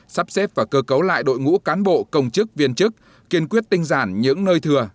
sắp xếp và cơ cấu lại đội ngũ cán bộ công chức viên chức kiên quyết tinh giản những nơi thừa